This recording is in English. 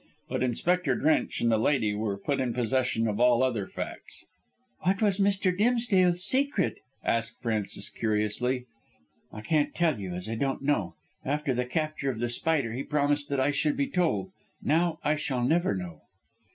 But Inspector Drench and the lady were put in possession of all other facts. "What was Mr. Dimsdale's secret?" asked Frances curiously. "I can't tell you, as I don't know. After the capture of The Spider he promised that I should be told. Now I shall never know."